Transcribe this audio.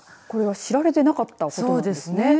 これは知られていなかったことなんですね。